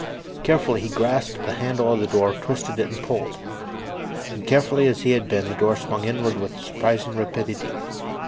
Carefully, he grasped the handle of the door, twisted it, and pulled. And, careful as he had been, the door swung inward with surprising rapidity.